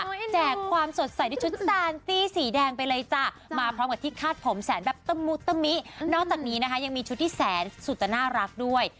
แจกความสดใสด้วยชุดซานตี้สีแดงไปเลยจ้ะมาพร้อมกับที่คาดผมแสนแบบตะมุตะมินอกจากนี้นะคะยังมีชุดที่แสนสุดจะน่ารักด้วย